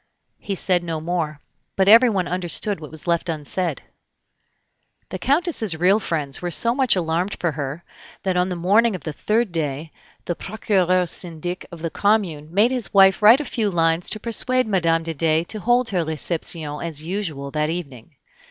He said no more, but everyone understood what was left unsaid. The Countess's real friends were so much alarmed for her, that on the morning of the third day the Procureur Syndic of the commune made his wife write a few lines to persuade Mme. de Dey to hold her reception as usual that evening.